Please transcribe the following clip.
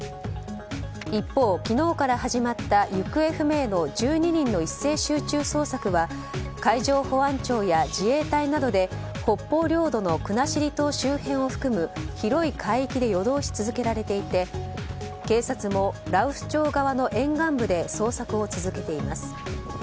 一方、昨日から始まった行方不明の１２人の一斉集中捜索は海上保安庁や自衛隊などで北方領土の国後島周辺を含む広い海域で夜通し続けられていて警察も羅臼町側の沿岸部で捜索を続けています。